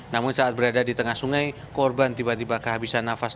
namun saat berada di tengah sungai korban tiba tiba kehabisan nafas